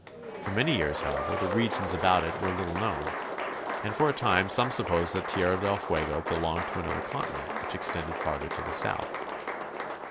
For many years, however, the regions about Tt were little known, and for a time some supposed that Tierra AT THE END OF THE CONTINENT. 1 59 del Fuego belonged to another continent which extended farther to the south.